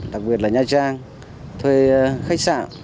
đặc biệt là nha trang thuê khách sạn